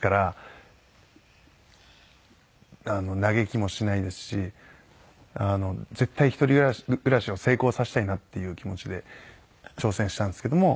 嘆きもしないですし絶対一人暮らしを成功させたいなっていう気持ちで挑戦したんですけども。